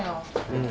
うん。